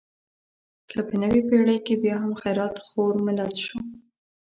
که په نوې پېړۍ کې بیا هم خیرات خور ملت شو.